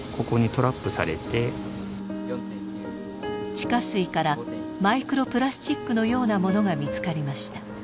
地下水からマイクロプラスチックのようなものが見つかりました。